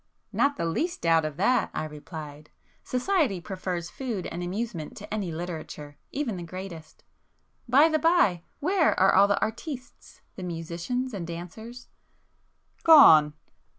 "Not the least doubt of that!" I replied—"Society prefers food and amusement to any literature,—even the greatest. By the by, where are all the 'artistes,'—the musicians and dancers?" "Gone!"